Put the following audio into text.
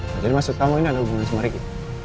jadi maksud kamu ini ada hubungan sama ricky